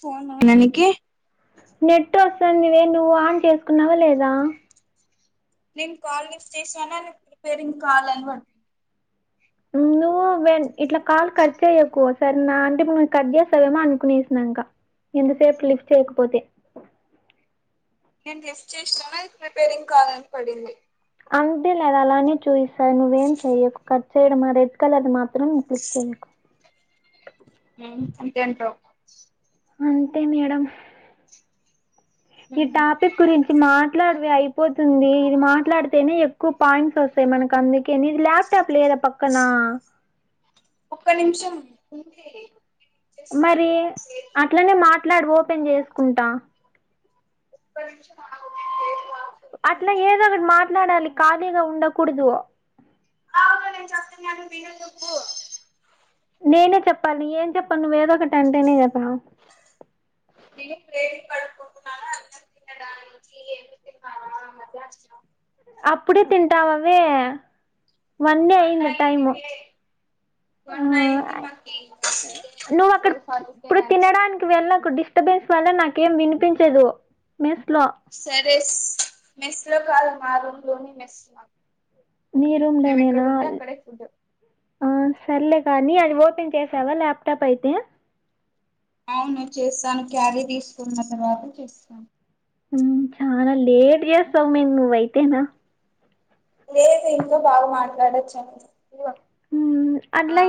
ఫోనా ననీకి నెట్ వస్తదివే నువ్వు ఆన్ చేసుకున్నవ లేదా నేను కాల్ లీఫ్ చేసానా నకు ప్రిపేరింగ్ కాల్ అని బట్ ఎందుకు ఇట్లా కాలు కట్ చేయ్యకు సరనా అంటే ఇప్పు నువ్వు కట్ చేస్తావేమో అనుకునేసిన ఇంకా ఇంతసేపు లిఫ్ట్ చేయకపోతే నేను లిఫ్ట్ చేసిననా రిపేరింగ్ కాల్ అని పడింది అంతే లే అది అలానే చూయిస్తాది నువ్వేం చెయ్యకు కట్ చేయడమా రెడ్ కలర్ మా క్లిక్ చేయకు హ అంతే అంటావ్ అంతే మేడం ఈ టాపిక్ గురించి మాట్లాడవవె అయిపోతుంది ఇది మాట్లాడితేనే ఎక్కువ పాయింట్స్ వస్తాయి మనకు అందుకేని ఇది క్ ట్ట లేద పక్కనా ఒక్క నిమిషం ఉంది మరి చేస్తాను సేవ్ అట్లనే మాట్లాడు ఓపెన్ చేసుకుంటా ఒక్కనిమిషం ఆగు అట్లా ఏదో ఒకటి మాట్లాడాలి ఖాళీగా ఉండకూడదు అవును నేను చెప్తున్నాను విను నువ్వు నేనే చెప్పాలి ఏం చెప్పం నువ్వ ఏదో ఒకటి అంటేనే కదా ను ప్రేమిపాడు కొకున్నా అన్నడాా [inaudible] అప్పుడే తింటావవే వనెయ్ అయింది టైము ఆ కొన్ అయింది మకి నువ్వు అక్కడ తెవెల్వ్ ఫార్టీ కే ఇప్పుడు లంచ్ తినడానికి వెళ్ళకు డిస్ బెన్స్ వల్ల నాకేం వినిపించదు మెస్ లో సరే మెస్స్ లో కాదు మా రూమ్ లోనే మెస్ మా మీ రూమ్ లోనేనా ఫుడ్ ఆ సర్లే కానీ అది ఓపెన్ చేసావా ల్యాప్టాప్ అయితే అవును చేస్తాను క్యారీ తీసుకున్న తర్వాత చేస్తాను హ్మ్ చానా లేట్ చేస్తావు మే నువ్వైతేనా లేదు ఇంట్లో బాగా మాట్లాడొచ్చు అని ఆ అట్లా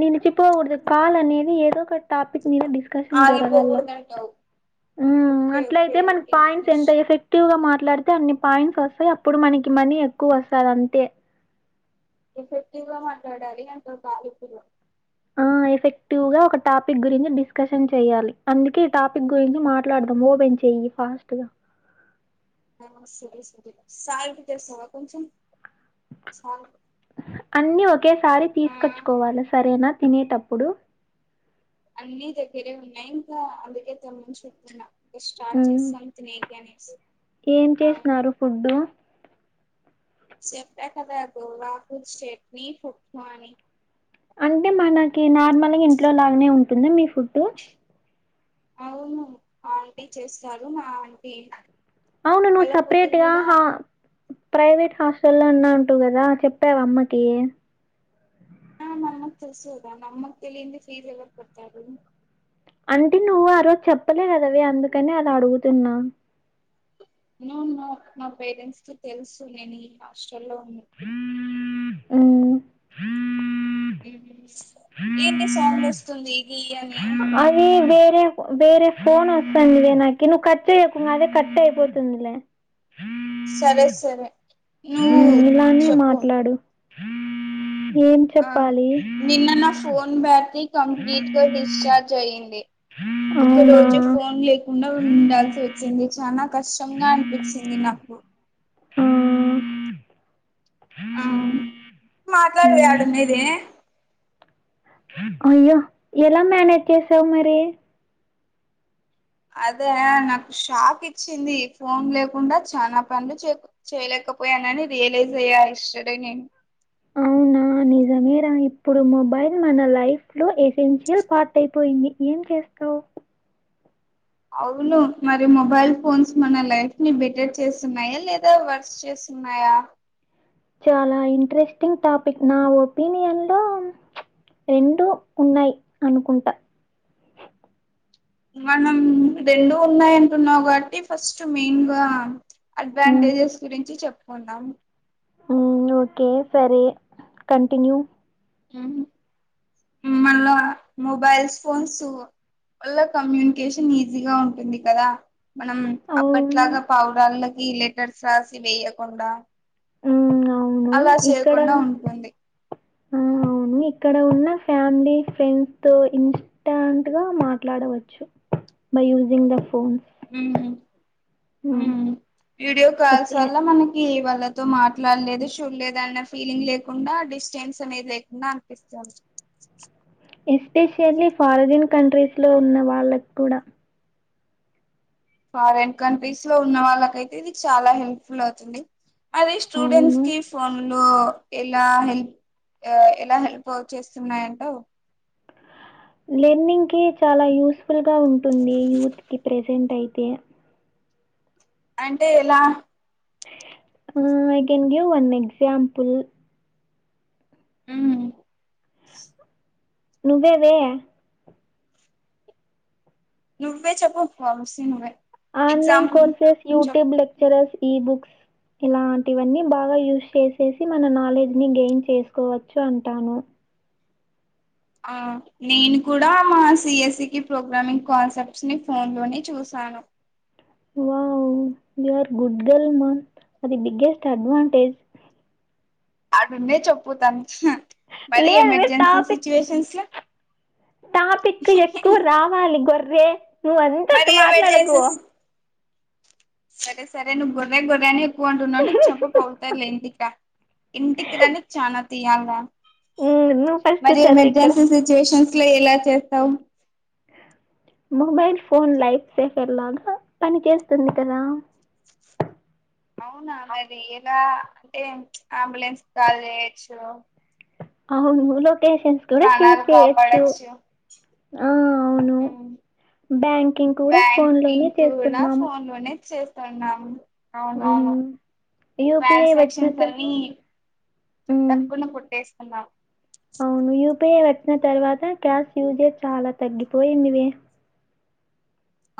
నిలిచిపోూకుడదు కాల్ అనేది ఏదో ఒక టపిక్ మీద డీస్ షన్ జరగాల, ఆగిపోకూడదంటావు ఓకే ఓకే అట్లయితే మన అయితే పాంట్స్ ఇంగ్లీష్ ఎంత ఎఫ్ ఎక్టివ్ గా మాట్లాడితే అన్ని పాయింట్స్ వస్తాయి అప్పుడు మనకి మనీ ఎక్కువ వస్తది అంతే ఎఫెక్టివ్ గా మాట్లాడాలి అంత బగాలపులు ఆ ఎఫెక్టివ్ గా ఒక టాపిక్ గురించి డిస్కషన్ చెయాలి అందుకే ఈ టాపిక్ గురించి మాట్లాడదాం ఓపెన్ చే చెయ్యి ఫాస్ట్గా సరే సరే సాల్ట్ తెస్తావా కొంచం సాల్ట్ అన్నీ ఒకేసారి ఆ తీసుకొచ్చుకోవాలి సరేనా తినేటప్పుడు అన్ని దగ్గరే ఉన్నాయి ఇంకా అందుకే తెమ్మని చెప్తున్నా స్టార్ మ్మ్ చేసాం తినకి అనేసి ఏం చేసినారు ఫుడ్డు చెప్ప కదా గోవాకు స్చట్నీ పప్పు అని అంటే మనకి నార్మల్గా ఇంట్లో లాగానే ఉంటుంద మీ ఫుడ్ అవును ఆంటీ చేస్తారు మా ఆంటీ అవును నువ్వు వాళ్ళ కూతురు సపరేట్గ కూడా హ ప్రైవేట్ హాస్టలో ఉన్నా ఉంటివి కదా చెప్పావ అమ్మకి ఆ మా అమ్మకి తెల్సుకదా నమ్మక్క తెలియందంది ఫీజ ఎవరు కడతారు అంటే నువ్వు ఆ రోజు చెప్పలే కదవే అందుకనే అలా అడుగుతున్నా నో నో నా పేరెంట్స్ కి తెలుసు నేను ఈ హాస్టల్ లో ఉన్నా ఉ ఏంటి సాంగ్ వస్తుంది గీ అని అది వేరే వేరే ఫోన్ వస్తుంది నాకి నువ్వు కట్టేయకు అదే కట్ అయిపోతుందిలే ఆ సరే సరే నువ్వు ముందులానే చెప్పు మాట్లాడు ఏం ఆ చెప్పాలి నిన్న నా ఫోన్ బ్యాటరీ కంప్లీట్గా డిశ్చార్జ్ అయ్యింది ఒక అవునా! రోజు ఫోన్ లేకుండా ఉండాల్సి వచ్చింది చానా కష్టంగా అనిపించింది నాకు ఆ ఆ మాట్లాడు హ్మ్. ఆడున్నేది అయ్యో ఎలా మనేజ్ చేసావు మరి అదా నాకు షాక్ ఇచ్చింది ఫోన్ లేకుండా చానా పన్లు చే చేయలేకపోయానని రియలైజ్ అయ్యా ఎస్టర్డే నేను అవునా నిజా మీరా ఇప్పుడు మొబైల్ మన లైఫ్ లో ఎసెన్షియల్ పార్ట్ అయిపోయింది ఏం చేస్తావు అవును మరి మొబైల్ ఫోన్స్ మన లైఫ్ ని బెటర్ చేస్తున్నాయా లేదా వర్స్ చేస్ నయా చాలా ఇంట్రెస్టింగ్ టాపిక్ నా ఒపీనియన్ లో రెండు ఉన్నాయి అనుకుంటా మనం రెండు ఉన్నాయి అంటున్నావు కాబట్టి ఫస్ట్ మెయిన్గా హ్మ్. అడ్వాంటేజెస్ గురించి చెప్పుకుందాం ఉ ఓకే సరే కంటిన్యూ మళ్ళా మొబైల్స్ ఫోన్స్ వల్ల కమ్యూనికేషన్ ఈజీగా ఉంటుంది కదా మనం అవును. అప్పట్లాగా పావురాళ్ళకి లెటర్స్ రాసి వేయకుండా హ్మ్. అలా చేయకుండా ఉంటుంది ఉహు అవును ఇక్కడ ఉన్న ఫ్యామిలీ ఫ్రెండ్స్ తో ఇన్ టాంట్గా మాట్లాడవచ్చు by using the phones uh uh hmm. Video calls okay. వల్ల మనం ఈ వాళ్ళతో మాట్లాడలేదు చూడలేదు అన్న ఫీలింగ్ లేకుండా డిస్టెన్స్ అనేది లేకుండా ఎక్స ఎస్పెషల్లీ ఫారిన్ కంట్రీస్ లో ఉన్న వాళ్ళకి కూడా ఫారెన్ కంట్రీస్ లో ఉన్న వాళ్ళకైతే ఇది చాలా హెల్ప్ఫుల్ అవుతుంది అదే స్టూడెంట్స్ అవును. కి ఫోన్ లో ఎలా హెల్ ఎలా హెల్ప్ చేస్తున్నాయంటో లెర్నింగ్ కి చాలా యూస్ఫుల్ గా ఉంటుంది యూత్ కి ప్రెజెంట్ అయితే అంటే ఎలా ఉ అయితే ఇంగే వన్ ఎక్సాంపుల్ ఉ నువ్వే వే నువ్వే చెప్పు వంశీ నువ్వే ఆన్లైన్ ఎగ్జాంపుల్ కోర్సెస్, చెప్ యూట్యూబ్, లెక్చరర్స్, ఈబుక్స్ ఇలాంటివన్నీ బాగా యూస్ చేసేసి మన నాలెడ్జ్ ని గెయిన్ చేసుకోవచ్చు అంటాను. ఆ నేను కూడా మా సిఎస్ఈకి ప్రోగ్రామింగ్ కాన్సెప్ట్స్ని ఫోన్లోనే చూశాను. Wow you are good girl మా అది బిగ్గెస్ట్ అడ్వాంటేజ్. ఆడున్నే చప్పుతంచినా మరీ లేవే ఎమర్జెన్సీ సిచ్యువేషన్స్ ల. టాపిక్కు ఎక్కువ రావాలి గొర్రే మరి నువ్వంతట్టు ఎమర్జెన్సీ మాట్లాడకువా సరే సరే నువ్ గొర్రె గొర్రని క్కువ అంటున్నవు నీ చెంపపగుల్ తది లేండికా ఇంటికి రా నీక్ చానా తీయాల్రా. మ్మ్ నువ్వు ఫస్ట్ మరి చదువు ఇక్కడ ఎమర్జెన్సీ సిచ్యుయేషన్స్ లో ఎలా చేస్తావు. మొబైల్ ఫోన్ లైఫ్ సేఫర్ లాగా పని చేస్తుంది కదా. అవునా మరీ ఎలా అంటే ప్చ్ ఆంబులెన్స్ కాల్ చేయొచ్చు. అవును లొకేషన్స్ కూడా షేర్ ప్రాణాలు చేయచ్చు కాపాడొచ్చు ఆ అవును. ఉమ్. బ్యాంకింగ్ కూడా ఫోన్ లోనే బ్యాంకింగ్ కూడా చేస్తున్నాం. ఫోన్ లోనే చేస్త్ స్తున్నాము అవునవును మ్మ్ యూపిఐ వచ్చిన ట్రాన్సాక్షన్స్ అన్నీ. తర్వా మ్మ్ టక్కున కొట్టేస్తున్నాం అవును యుపిఐ వచ్చిన తర్వాత క్యాష్ యూసేజ్ చాలా తగ్గిపోయిందివే.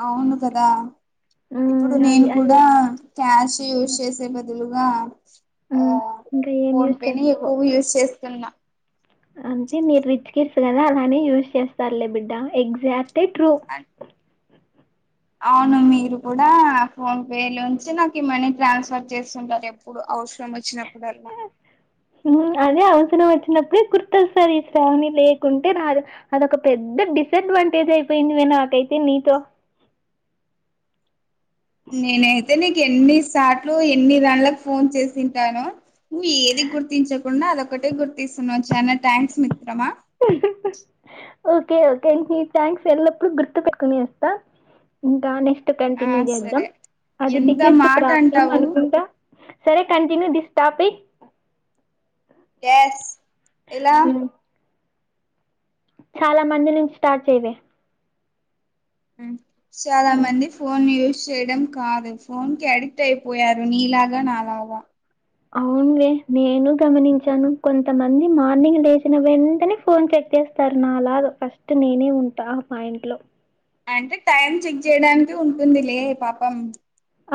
అవును కదా మ్మ్ ఇప్పుడు అది నేను అది కూడా క్యాష్ ఒక యూజ్ చేసే బదులుగా. ఆ హ్మ్. ఇంకా ఏం ఫోన్ యూజ్ పే నే చేస్తావో. ఎక్కువ యూజ్ చేస్తున్నా. అంటే మీరు రిచ్చ్ కిడ్స్ కదా అలానే యూజ్ చేస్తారులే బిడ్డా ఎగ్జాక్ట్లి ట్రూ. అన్ అవును మీరు కూడా ఫోన్ పే లోంచే నాకు ఈ మనీ ట్రాన్స్ఫర్ చేస్తుంటారు ఎప్ప్. పుడు అవసరం వచ్చినప్పుడల్లా హూ అదే అవసరం వచ్చినప్పుడే గుర్తొస్తది ఈ శ్రావణి లేకుంటే రాదు. అదొక పెద్ద డిసడ్వాంటేజ్ అయిపోయింది వే నాకైతే నీతో. నేనైతే నీకు ఎన్నిసాట్లు ఎన్ని దాండ్లక్ ఫోన్ చేసింటాను. నువ్వు ఏది గుర్తించకుండా అదొక్కటే గుర్తిస్తున్నావు చానా థ్యాంక్స్ మిత్రమా. ఓకే ఓకే నీ థ్యాంక్స్ ఎల్లప్పుడు గుర్తు పెట్టుకొని వస్తా. ఇంకా నెక్స్ట్ ఆ కంటిన్యూ చేద్దాం సరే అది ఎంత బిగ్గెస్ట్ మాట ప్రాబ్లమ్ అంటావు అనుకుంటా. సరే కంటిన్యూ దిస్ టాపిక్ గ్యాస్ ఎలా హ్మ్. చాలా మంది నుంచి స్టార్ట్ చెయ్యవే చాలా హ్మ్. మంది ఫోన్ యూజ్ చేయడం కాదు ఫోన్ కి అడిక్ట్ అయిపోయారు నీలాగా నాలాగా. అవునువే నేను గమనించాను కొంతమంది మార్నింగ్ లేచిన వెంటనే ఫోన్ చెక్ చేస్త్. తర్ణాలాదు ఫస్ట్ నేనే ఉంటా ఆ పాయింట్ లో అంటే టైం చెక్ చేయడానికి ఉంటుంది లే పాపం.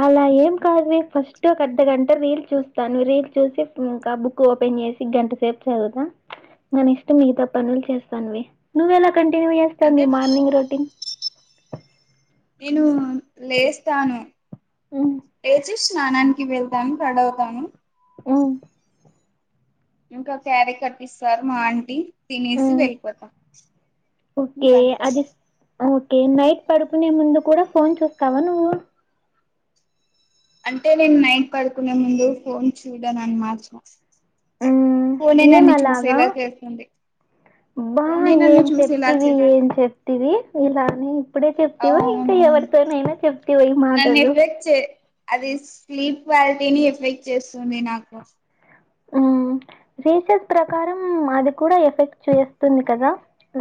అలా ఏం కాదు వే ఫస్ట్ ఒక అద్ద గంట రీల్ చూస్తాను రీల్ చూసి ఇంకా బుక్. కూఓపెన్ చేసి గంట సేపు చదువుతా ఇంగ నెక్స్ట్ మిగతా పనులు చేస్తానువే నువ్వు ఎలా కంటిన్యూ చేస్తావు అంటే నీ మార్నింగ్ రొటీన్. నేను లేస్తాను హ్మ్. లేచి స్నానాన్. కి వెళ్తాను రెడవుతాను ఏమొ ఇంకా స్యారీ కట్టిస్తారు మా ఆంటీ తినేసి హ్మ్. వెళ్ళిపోత ఇంక అంతే ఒకే నైట్ పడుకునే ముందు కూడ ఫోన్ చూస్తావ నువ్వు అంటే నేను నైట్ పడుకునే ముందు ఫోన్ చూడను అనమాట హ్మ్. పోనే ఏం నన్ని అలాగా? చూసేల చేస్తుంది బా ఫోనే నన్ను ఏం చూసేలా చెప్తివి ఏం చేస్తుంది చెప్తివి [unintelligible] ఇప్పుడే చెప్తివ ఇంకా అవును ఎవరితోనైనా చెప్తివ ఈ మాటలు [unintelligible] అది స్లీప్ క్వాలిటీని ఎఫెక్ట్ చేస్తుంది నాకు ఆ రీసర్చ్ ప్రకారం అది కూడ ఎఫెక్ట్ చేస్తుంది కదా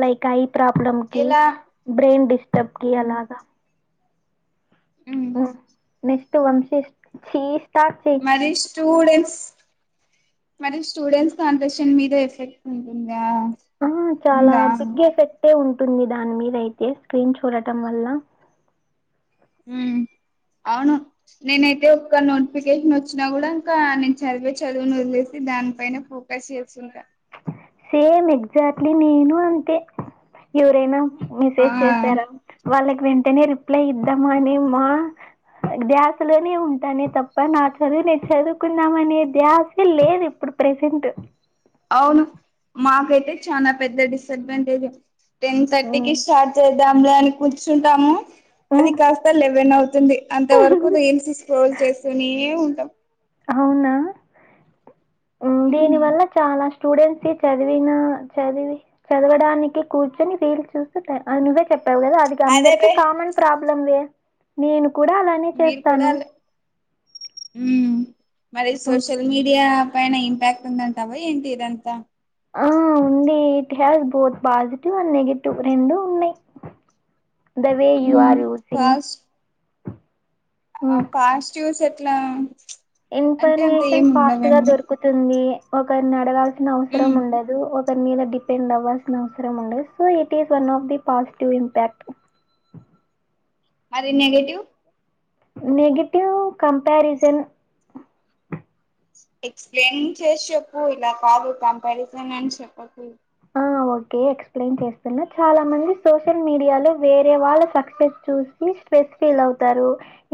లైక్ ఐ ప్రాబ్లమ్ కి ఎలా బ్రెయిన్ డిస్టర్బ్ కి ఉమ్, అలాగ ఉమ్, ఉ [unintelligible] [unintelligible] స్టూడెంట్స్ మరి స్టూడెంట్స్ [unintelligible] మీద ఎఫెక్ట్ ఉంటుంద ఆ చాల బిగ్ ఎఫెక్టే ఉంటుంది దాని మీద అయితే స్క్రీన్ చూడటం వల్ల ఉ అవును నేనైతే ఒక్క నోటిఫికేషన్ వచ్చినా కూడ ఇంకా నేను చదివే చదువుని వదిలేసి దానిపైనే పో కస్ చేస్తుంట సేమ్ ఎగ్జాక్ట్లీ నేను అంతే ఎవరైన ఆ మెసేజ్ చేసార వాళ్ళకి వెంటనే రిప్లై ఇద్దామ అని మా ధ్యాసలోనే ఉంటానే తప్ప నా చదువు నేను చదువుకుందమనే ధ్యాసే లేదు ఇప్పుడు ప్రెసెంట్ అవును మాకైతే చాల పెద్ద డిసడ్వాంటేజే టెన్ థర్టీకి స్టార్ట్ చే [unintelligible] అని కూర్చుంటాము అది కాస్త లెవెన్ అవుతుంది అంత వరకు రీల్స్ స్క్రోల్ చేస్తూనే ఉంటాం అవున దీని ఉమ్ వల్ల చాల స్టూడెంట్స్కి చదివిన చదివి చదవడానికి కూర్చొని [unintelligible] చూస్త నువ్వే చెప్పావు కదా అది అదే అందరికి బే కామన్ ప్రాబ్లం వే నేను కూడ అల మీరు కూడ మరి ఉమ్. సోషల్ మీడియ పైన ఇంప్యాక్ట్ ఉంది అంటావ ఏంటి ఇదంత ఆ ఉంది it has both positive and negative రెండు ఉన్నయ్ the way you um are using fast ఆ పాస్టివ్స్ ఎట్ల ఇన్ఫర్మేషన్ ఫాస్ట్గా దొరుకుతుంది ఒకరని అడగాల్సిన అవసరం ఉమ్ ఉండదు ఒకరి మీద డిపెండ్ అవ్వాల్సిన అవసరం ఉండదు so it is one of the positive impact మరి నెగేటివ్ నెగిటివ్ కంపారిజన్ ఎక్స్ప్లెయిన్ చేసి చెప్పు ఇల కాదు కంపారిజన్ అని చెప్పకు ఆ ఒకే ఎక్స్ప్లెయిన్ చేస్తున్నా చాల మంది సోషల్ మీడియాలో వేరే వాళ్ళ సక్సెస్ చూసి స్ట్రెస్ ఫీల్ అవుతారు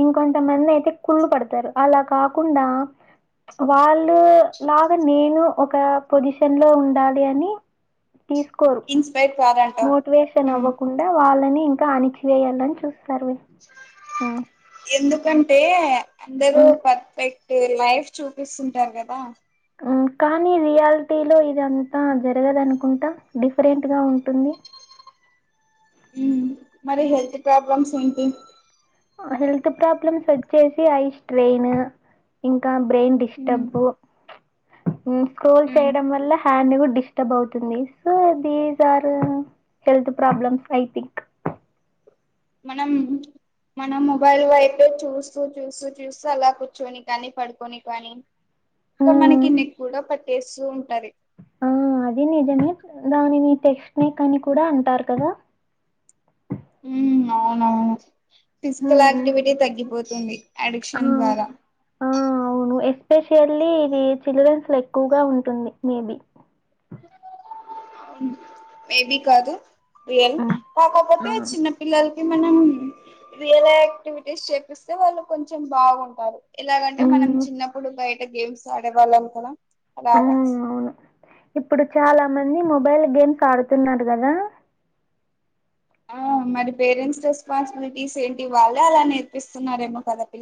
ఇంకొంత మంది అయితే కుళ్ళు పడతారు అల కాకుండ వాళ్ళు లాగ నేను ఒక పొజిషన్ లో ఉండాలి అని తీసుకోరు ఇన్స్పైర్ [unintelligible] మోటివేషన్ ఉమ్ అవ్వకుండా వాళ్ళని ఇంకా అణిచివేయాలని చూస్తారు ఎందుకంటే అందరూ హ్మ్. పర్ఫెక్ట్ లైఫ్ చూపిస్తుంటారు కదా కానీ రియాలిటీ లో ఇదంతా జరగదనుకుంటా డిఫరెంట్ గా ఉంటుంది ఉ మరి హెల్త్ ప్రాబ్లమ్స్ ఏంటి హెల్త్ ప్రాబ్లమ్స్ వచ్చేసి ఐ స్ట్రెయిన్ ఇంకా బ్రెయిన్ ఉమ్ డిస్టర్బు స్కూల్ ఉమ్ చేయడం వల్ల హ్యాండ్ కూడా డిస్టర్బ్ అవుతుంది so these are health problems I think మనం మనం మొబైల్ వైపు చూస్తూ చూస్తూ చూస్తూ అలా కూర్చొని కానీ పడుకొ ని కానీ ఇంక హ్మ్. మనకి నెక్ కూడా పెట్టేస్తు ఉంటది ఆ అది నిజమే దానిని టెక్స్ట్ నేక్ అని కూడా అంటారు కదా అవునవును ఫిజికల్ హ్మ్, హ్మ్. యాక్టివిటీ తగ్గిపోతుంది ఆ అడిక్షన్ ద్వారా ఆ అవును ఎస్పెషల్లీ ఇది చిల్డ్రన్స్ లో ఎక్కువగా ఉంటుంది మేబి మేబి కాదు రియల్ ఆ కాకపోతే చిన్న పిల్లలకి మనం రియల్ యాక్టివిటీస్ చేపిస్తే వాళ్ళు కొంచెం బాగుంటారు ఎలాగంటే మనం మ్మ్ చిన్నప్పుడు బయట గేమ్స్ ఆడేవాళ్ళం కదా ఆ అలాగా అవును ఇప్పుడు చాలా మంది మొబైల్ గేమ్స్ ఆడుతున్నారు కదా ఆ మరి పేరెంట్స్ రెస్పాన్సిబిలిటీస్ ఏంటి వాళ్ళే అలా నేర్పిస్తున్నారేమో కాద పిల్ల